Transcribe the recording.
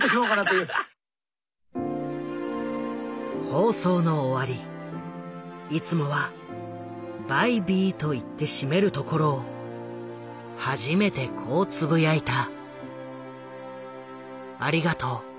放送の終わりいつもは「バイ・ビー」と言って締めるところを初めてこうつぶやいた。